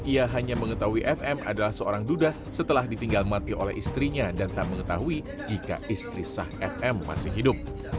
ia hanya mengetahui fm adalah seorang duda setelah ditinggal mati oleh istrinya dan tak mengetahui jika istri sah fm masih hidup